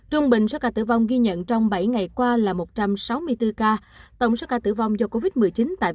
trung bình số ca tử vong ghi nhận trong bảy ngày qua là một trăm sáu mươi bốn ca tổng số ca tử vong do covid một mươi chín tại